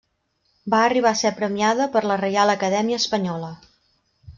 Va arribar a ser premiada per la Reial Acadèmia Espanyola.